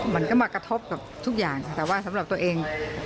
มันก็มากระทบกับทุกอย่างแต่ว่าสำหรับตัวเอง